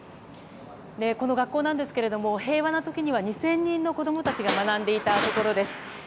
この学校ですが平和な時には２０００人の子供たちが学んでいたところです。